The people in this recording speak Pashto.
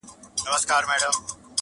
د ابليس د اولادونو شيطانانو -